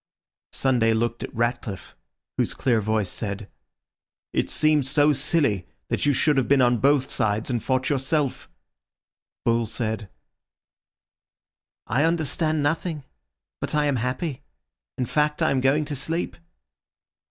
Sunday looked at Ratcliffe, whose clear voice said— "It seems so silly that you should have been on both sides and fought yourself." Bull said— "I understand nothing, but I am happy. In fact, I am going to sleep."